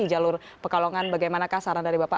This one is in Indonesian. jalur pekalongan bagaimana kasaran dari bapak